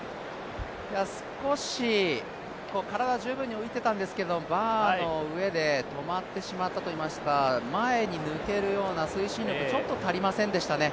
少し体、十分に浮いていたんですけれども、バーの上でとまってしまったといいますか、前に抜けるような推進力、ちょっと足りませんでしたね。